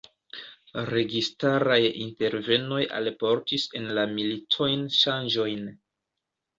Registaraj intervenoj alportis en la militojn ŝanĝojn.